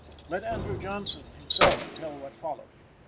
Let Andrew Johnson himself tell what followed.